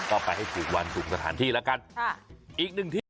ก็ไปให้ถูกวันถูกสถานที่แล้วกันค่ะอีกหนึ่งที่